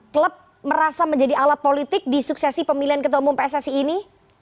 klub merasa menjadi alat politik di suksesi pemilihan ketua umum pssi ini